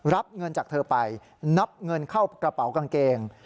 รับเงินจากเธอไปนับเงินเข้ากระเป๋ากางเกง